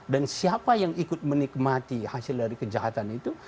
dan siapa yang ikut menikmati hasil dari kejahatan itu